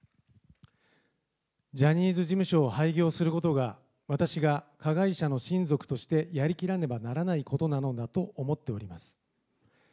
ジャニーズ事務所を廃業することが私が加害者の親族としてやりきらねばならないことなのだと思っております。